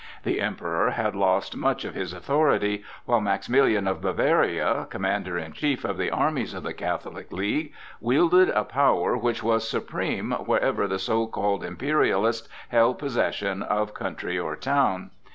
The Emperor had lost much of his authority, while Maximilian of Bavaria, commander in chief of the armies of the Catholic League, wielded a power which was supreme wherever the so called Imperialists held possession of country or town.